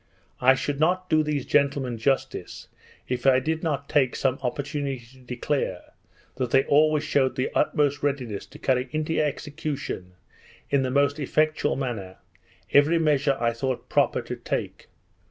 I should not do these gentlemen justice, if I did not take some opportunity to declare, that they always shewed the utmost readiness to carry into execution, in the most effectual manner, every measure I thought proper to take.